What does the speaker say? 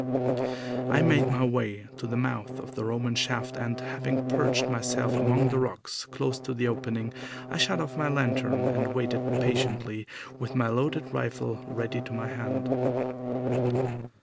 I made my way to the mouth of the Roman shaft, and, having perched myself among the rocks close to the opening, I shut off my lantern and waited patiently with my loaded rifle ready to my hand.